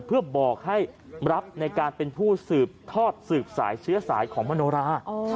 เพื่อบอกให้รับในการเป็นผู้สืบทอดสืบสายเชื้อสายของมโนรา